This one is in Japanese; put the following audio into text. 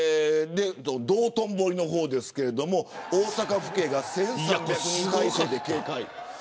道頓堀の方ですけれども大阪府警が１３００人態勢で警戒。